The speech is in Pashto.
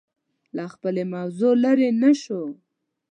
له خپلې موضوع لرې نه شو